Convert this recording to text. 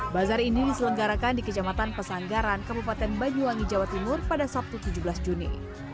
bazar ini diselenggarakan di kejamatan pesanggaran kabupaten banyuwangi jawa timur pada sabtu tujuh belas juni